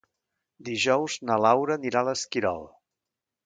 Dijous na Laura anirà a l'Esquirol.